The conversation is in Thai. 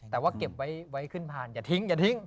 แต่ว่าเก็บไว้ขึ้นผ่านอย่าทิ้งอย่าทิ้ง